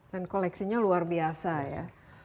dan koleksinya luar biasa ya